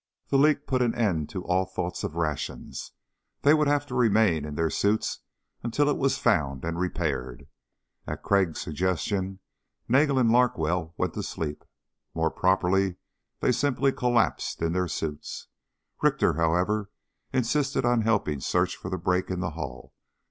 The leak put an end to all thoughts of rations. They would have to remain in their suits until it was found and repaired. At Crag's suggestion Nagel and Larkwell went to sleep. More properly, they simply collapsed in their suits. Richter, however, insisted on helping search for the break in the hull.